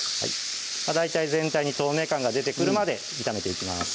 大体全体に透明感が出てくるまで炒めていきます